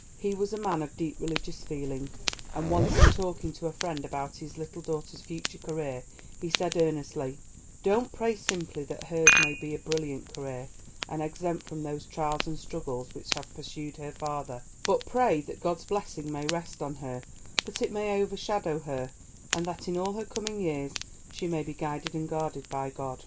He was a man of deep religious feeling, and once in talking to a friend about his little daughter's future career he said earnestly: "Don't pray simply that hers may be a brilliant career, and exempt from those trials and struggles which have pursued her father, but pray that God's blessing may rest on her, that it may overshadow her, and that in all her coming years she may be guided and guarded by God."